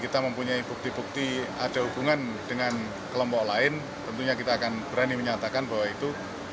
tapi kalau tidak ada kita tidak bisa menyatakan itu